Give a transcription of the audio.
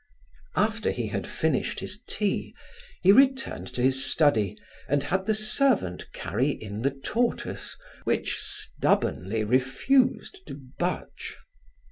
After he had finished his tea, he returned to his study and had the servant carry in the tortoise which stubbornly refused to budge.